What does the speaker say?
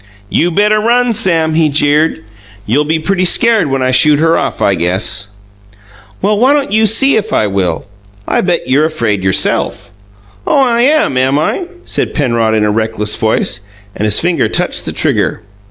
"You better run, Sam," he jeered. "You'll be pretty scared when I shoot her off, I guess." "Well, why don't you SEE if I will? I bet you're afraid yourself." "Oh, I am, am I?" said Penrod, in a reckless voice and his finger touched the trigger.